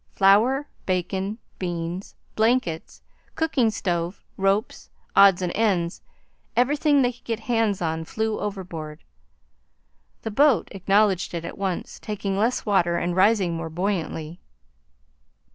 Flour, bacon, beans, blankets, cooking stove, ropes, odds and ends, everything they could get hands on, flew overboard. The boat acknowledged it at once, taking less water and rising more buoyantly.